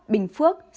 bình phước và hà nội